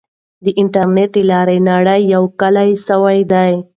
د انټرنیټ له لارې نړۍ یو کلی سوی دی.